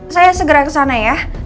saya segera kesana ya